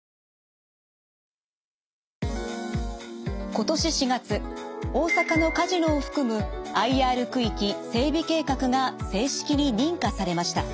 今年４月大阪のカジノを含むＩＲ区域整備計画が正式に認可されました。